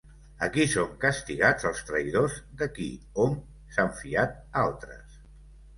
Aquí són castigats els traïdors de qui hom s'han fiat altres.